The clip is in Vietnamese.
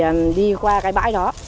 thế thì tôi đi qua cái bãi đó